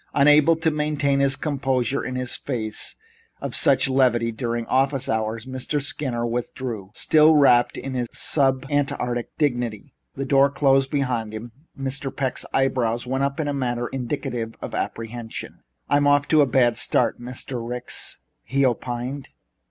Unable to maintain his composure in the face of such levity during office hours, Mr. Skinner withdrew, still wrapped in his sub Antarctic dignity. As the door closed behind him, Mr. Peck's eyebrows went up in a manner indicative of apprehension. "I'm off to a bad start, Mr. Ricks," he opined.